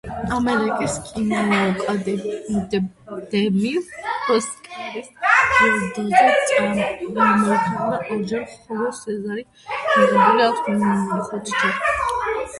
ამერიკის კინოაკადემიის ოსკარის ჯილდოზე წამოყენებულია ორჯერ, ხოლო სეზარი მიღებული აქვს ხუთჯერ.